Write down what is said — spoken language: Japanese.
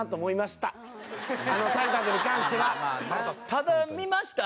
ただ見ました？